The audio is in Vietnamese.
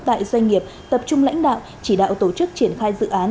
tại doanh nghiệp tập trung lãnh đạo chỉ đạo tổ chức triển khai dự án